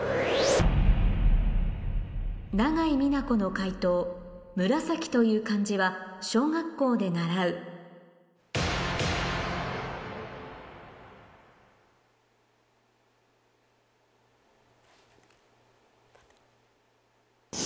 永井美奈子の解答「紫」という漢字は小学校で習うダメ？